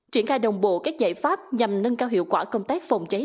triển khai đồng bộ các giải pháp nhằm nâng cao hiệu quả công tác phòng cháy